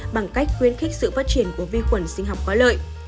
bằng cách khuyến khích sự phát triển của vi khuẩn sinh học có lợi